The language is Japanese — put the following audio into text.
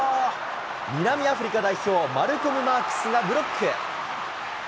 南アフリカ代表、マルコム・マークスがブロック。